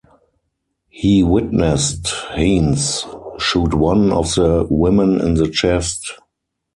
He witnessed Haynes shoot one of the women in the chest.